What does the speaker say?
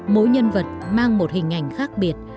mỗi nhân vật mang một hình ảnh khác biệt